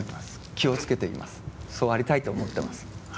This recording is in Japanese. そうありたいと思ってます。